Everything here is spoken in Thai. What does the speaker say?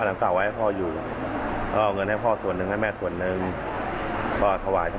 ใช้ชีวิตประจำวันเหมือนเดิม